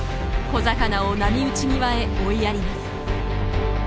小魚を波打ち際へ追いやります。